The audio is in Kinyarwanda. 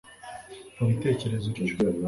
ntubitekereza utyo